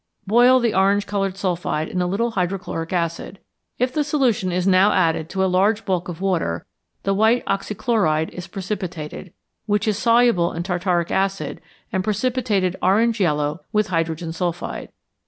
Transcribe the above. Boil the orange coloured sulphide in a little hydrochloric acid. If the solution be now added to a large bulk of water, the white oxychloride is precipitated, which is soluble in tartaric acid and precipitated orange yellow with hydrogen sulphide.